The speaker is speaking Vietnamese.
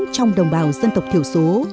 trong đồng bào dân tộc thiểu số